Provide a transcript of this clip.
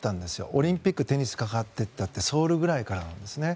オリンピックテニスがかかっていったのってソウルぐらいからなんですね。